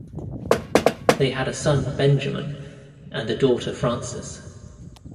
They had a son, Benjamin, and a daughter, Frances.